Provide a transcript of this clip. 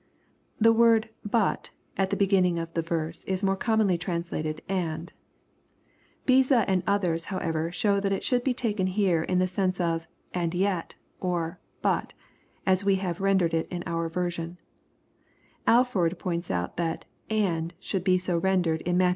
The word " but," at the beginning of the verse is more commonly translated " and." Beza and others however show that it should be taken here in the sense of " and yet>" or " but," as we have rendered it in our version Alford points out that "and," should be so Tenderer, in Matt x.